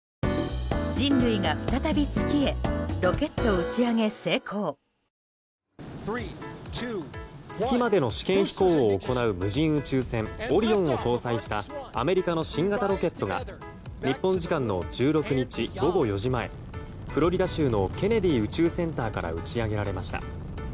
月までの試験飛行を行う無人宇宙船「オリオン」を搭載したアメリカの新型ロケットが日本時間の１６日午後４時前フロリダ州のケネディ宇宙センターから打ち上げられました。